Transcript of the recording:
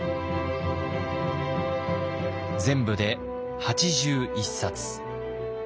全部で８１冊。